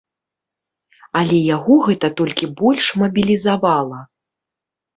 Але яго гэта толькі больш мабілізавала.